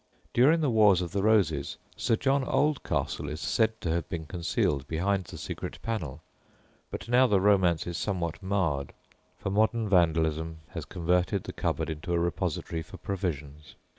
During the Wars of the Roses Sir John Oldcastle is said to have been concealed behind the secret panel; but now the romance is somewhat marred, for modern vandalism has converted the cupboard into a repository for provisions.